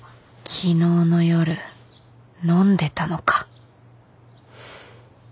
昨日の夜飲んでたのか